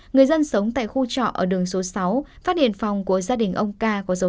người dân sống tại khu trọ ở đường số sáu phát hiện phòng của gia đình ông k có dấu hiệu bất thường